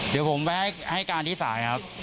เดี๋ยวผมไปให้การที่ศาลครับ